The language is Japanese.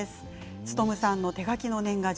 務さんの手描きの年賀状。